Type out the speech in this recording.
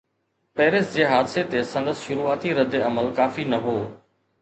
Paris جي حادثي تي سندس شروعاتي رد عمل ڪافي نه هو.